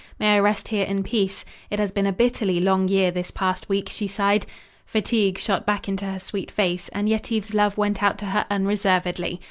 May I rest here in peace? It has been a bitterly long year, this past week," she sighed. Fatigue shot back into her sweet face, and Yetive's love went out to her unreservedly.